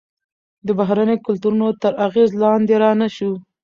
د بهرنیو کلتورونو تر اغیز لاندې رانه شو.